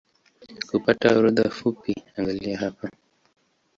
Kupata orodha fupi angalia hapa